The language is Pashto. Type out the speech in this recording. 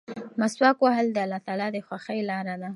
مسواک وهل د الله تعالی د خوښۍ لاره ده.